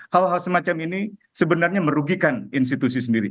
hal hal semacam ini sebenarnya merugikan institusi sendiri